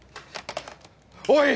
おい！